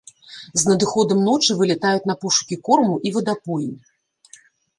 З надыходам ночы вылятаюць на пошукі корму і вадапоі.